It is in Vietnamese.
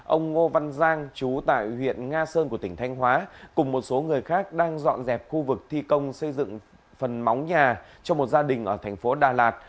ông ngô văn giang chú tại huyện nga sơn của tỉnh thanh hóa cùng một số người khác đang dọn dẹp khu vực thi công xây dựng phần móng nhà cho một gia đình ở thành phố đà lạt